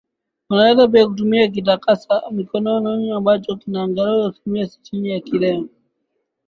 Unaweza pia kutumia kitakasa mikono ambacho kina angalau asilimia Sitini ya kileo